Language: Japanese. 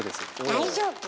大丈夫？